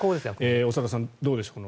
長田さん、どうでしょう。